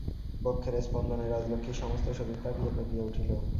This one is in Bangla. বক্ষের স্পন্দনে রাজলক্ষ্মীর সমস্ত শরীর কাঁপিয়া কাঁপিয়া উঠিল।